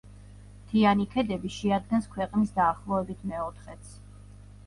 მთიანი ქედები შეადგენს ქვეყნის დაახლოებით მეოთხედს.